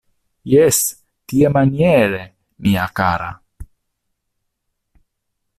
Jes, tiamaniere, mia kara!